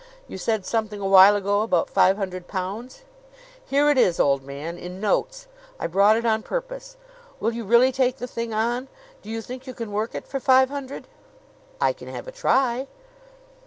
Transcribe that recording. You said something a while ago about five hundred pounds?" "Here it is, old man in notes. I brought it on purpose. Will you really take the thing on? Do you think you can work it for five hundred?" "I can have a try."